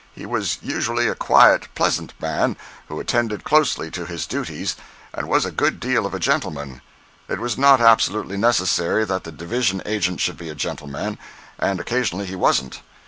He was usually a quiet, pleasant man, who attended closely to his duties, and was a good deal of a gentleman. It was not absolutely necessary that the division agent should be a gentleman, and occasionally he wasn't.